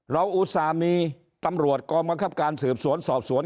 เราอุตส่าห์มีตำรวจกรมกระทับการสืบสวนสอบสวน